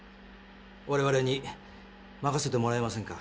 我々に任せてもらえませんか？